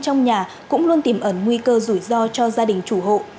trong nhà cũng luôn tìm ẩn nguy cơ rủi ro cho gia đình chủ hộ